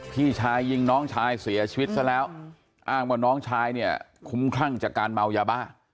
พี่ชายยิงน้องชายเสียชีวิตซะแล้วอ้างว่าน้องชายเนี่ยคุ้มคลั่งจากการเมายาบ้า